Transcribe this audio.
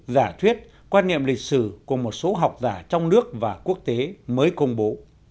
giả thuyết quan niệm lịch sử của một số học giả trong nước và quốc tế mới công bố